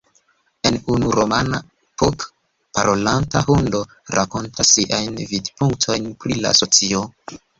En unu romano, "Puck", parolanta hundo rakontas siajn vidpunktojn pri la socio.